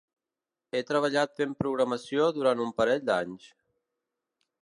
He treballat fent programació durant un parell d'anys.